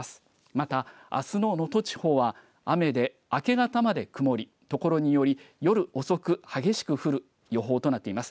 またあすの能登地方は雨で明け方まで曇り、ところにより夜遅く激しく降る予報となっています。